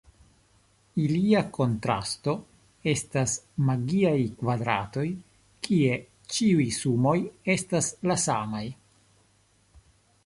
Ilia kontrasto estas magiaj kvadratoj kie ĉiuj sumoj estas la samaj.